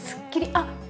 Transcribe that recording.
あっ！